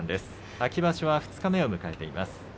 秋場所は二日目を迎えています。